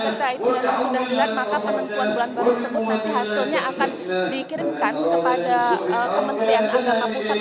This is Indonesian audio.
ketika itu memang sudah dilihat maka penentuan bulan baru tersebut nanti hasilnya akan dikirimkan kepada kementerian agama pusat